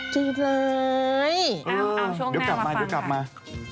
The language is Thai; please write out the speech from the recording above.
จริงเลยเอาเอาช่วงหน้ามาฟังค่ะเดี๋ยวกลับมาเดี๋ยวกลับมา